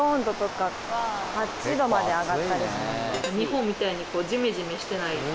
日本みたいにジメジメしてない？